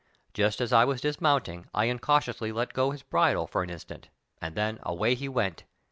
Just as I was dis mounting I incautiously let go his bridle for an instant, and then away he went.